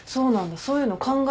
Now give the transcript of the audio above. そういうの考えるんだ。